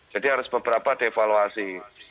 jadi harus beberapa devaluasi